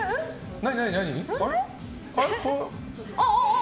何？